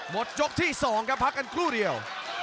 หมดยกที่๒ครับพักกันครู่เดียว